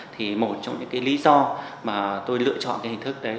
thì một trong những cái lý do mà tôi lựa chọn cái hình thức đấy